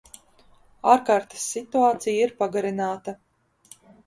Ārkārtas situācija ir pagarināta.